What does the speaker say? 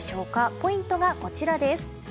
ポイントがこちらです。